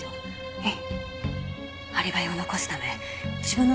ええ？